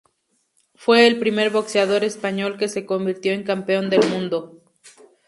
Fue el primer boxeador español que se convirtió en campeón del mundo.